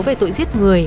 về tội giết người